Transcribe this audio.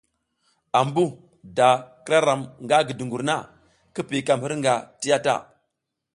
Ambu da k ira ram nga gi dungur na, ki kiykam hirnga ti ya ta.